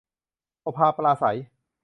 โอภาปราศรัย